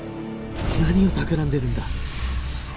何をたくらんでるんだ？